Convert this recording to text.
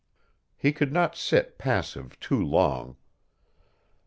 He could not sit passive too long.